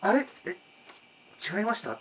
えっ違いました？」。